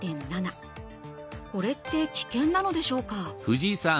これって危険なのでしょうか？